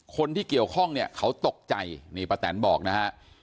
คนที่เกี่ยวข้องเนี่ยเขาตกใจนี่ป้าแตนบอกนะฮะ